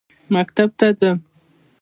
مکتب ته ځم.